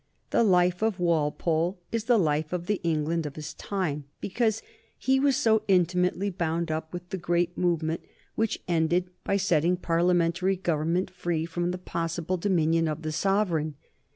The life of Walpole is the life of the England of his time because he was so intimately bound up with the great movement which ended by setting Parliamentary government free from the possible dominion of the sovereign.